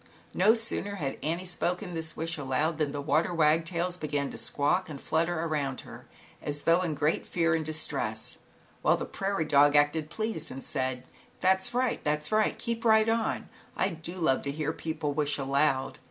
No sooner had Annie spoken this wish aloud, than the water wagtails began to squawk and flutter around her as though in great fear and distress, while the prairie dog acted pleased and said: " That's right, that's right, keep right on, I do love to hear people wish aloud.